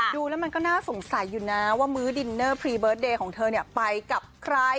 ดูแล้วมันก็น่าสงสัยอยู่นะว่ามื้อดินเนอร์พรีเบิร์ตเดย์ของเธอไปกับใคร